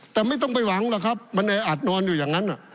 แต่ไม่ต้องไปหวังมันแอดนอนอยู่อย่างนั้น